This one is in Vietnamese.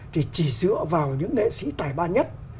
thì chỉ dựa vào những nễ sĩ tài ba nhất